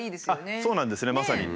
そうなんですねまさに。